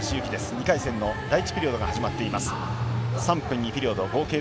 ２回戦の第１ピリオドが始まっています。